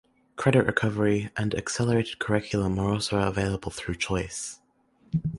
Credit recovery and accelerated curriculum are also available through Choice.